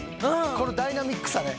このダイナミックさね。